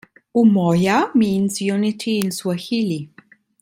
"Umoja" means "unity" in Swahili.